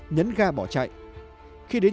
nhấn ga bỏ chạy khi đến